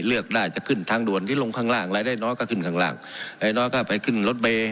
เลือกได้จะขึ้นทางด่วนที่ลงข้างล่างรายได้น้อยก็ขึ้นข้างล่างรายน้อยก็ไปขึ้นรถเมย์